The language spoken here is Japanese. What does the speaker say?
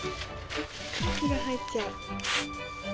空気が入っちゃう。